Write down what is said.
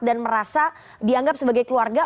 dan merasa dianggap sebagai keluarga